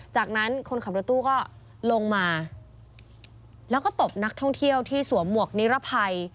จากนั้นก็ลงมาตบนักท่องเที่ยวที่สวมหมวกนิรภัย